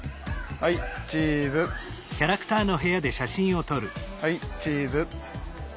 はいチーズ！